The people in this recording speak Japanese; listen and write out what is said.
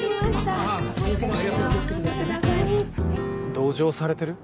同情されてる？